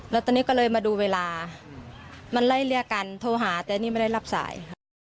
แล้วตอนนี้ก็เลยมาดูเวลามันไล่เรียกกันโทรหาแต่นี่ไม่ได้รับสาย